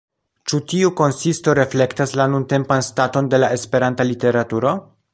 Ĉu tiu konsisto reflektas la nuntempan staton de la Esperanta literaturo?